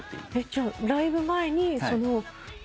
じゃあライブ前にその。